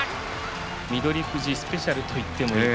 翠富士スペシャルと言ってもいい